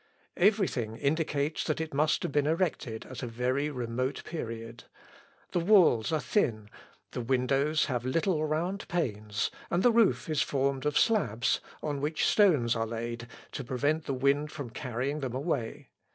Everything indicates that it must have been erected at a very remote period. The walls are thin. The windows have little round panes, and the roof is formed of slabs, on which stones are laid to prevent the wind from carrying them away.